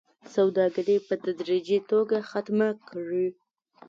سوداګري په تدريجي توګه ختمه کړي